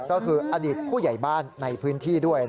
อันดิษฐ์ผู้ใหญ่บ้านในพื้นที่ด้วย